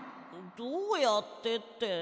どうやってって。